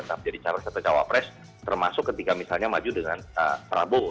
saat menjadi cara cara cawapres termasuk ketika misalnya maju dengan prabowo